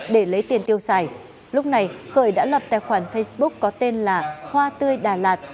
để lấy tiền tiêu xài lúc này khởi đã lập tài khoản facebook có tên là hoa tươi đà lạt